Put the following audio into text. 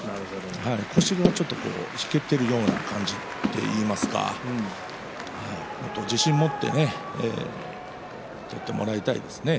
腰がちょっと引けているような感じといいますかもっと自信を持ってとってもらいたいですね。